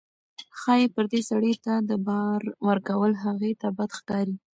ښایي پردي سړي ته د بار ورکول هغې ته بد ښکاري.